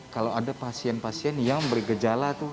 kalau ada pasien pasien yang bergejala tuh